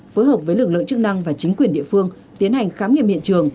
phối hợp với lực lượng chức năng và chính quyền địa phương tiến hành khám nghiệm hiện trường